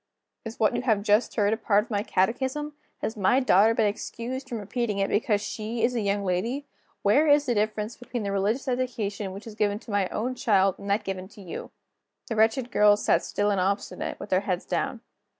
"Is what you have just heard a part of my catechism? Has my daughter been excused from repeating it because she is a young lady? Where is the difference between the religious education which is given to my own child, and that given to you?" The wretched girls still sat silent and obstinate, with their heads down.